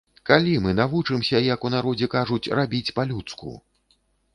Калі мы навучымся, як у народзе кажуць, рабіць па-людску?